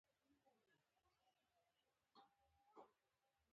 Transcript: ما د همدغه قدرت په اډانه کې ډېر کسان ليدلي.